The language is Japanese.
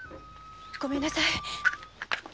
ごめんなさい。